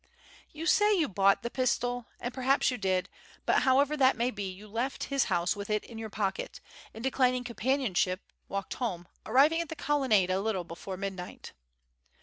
"You say you bought the pistol, and perhaps you did, but, however that may be, you left his house with it in your pocket, and declining companionship, walked home, arriving at the Colonnade a little before midnight.